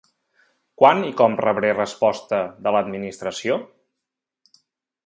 Quan i com rebré resposta de l'Administració?